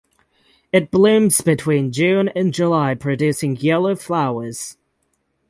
It blooms between June and July producing yellow flowers.